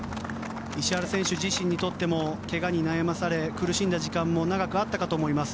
石原選手自身にとってもけがに悩まされ苦しんだ時間も長くあったかと思います。